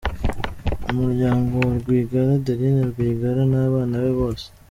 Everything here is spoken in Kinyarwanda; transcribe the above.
Umuryango wa Rwigara, Adeline Rwigara n’abana be bose